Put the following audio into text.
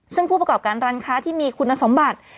ซึ่งผู้ประกอบการร้านค้าที่มีคุณสมบัติ